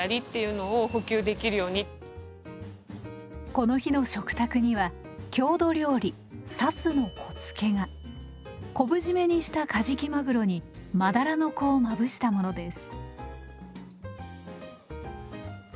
この日の食卓には郷土料理「サスの子付け」が。昆布締めにしたカジキマグロにマダラの子をまぶしたものです。